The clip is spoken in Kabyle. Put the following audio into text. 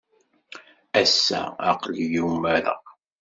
Ass-a, aql-iyi umareɣ.